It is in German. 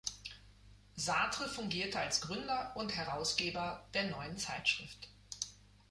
Sartre fungierte als Gründer und Herausgeber der neuen Zeitschrift.